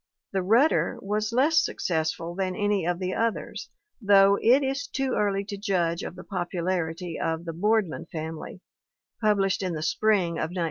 The Rudder was less successful than any of the others, though it is too early to judge of the popularity of The Boardman Family, published in the spring of 1918.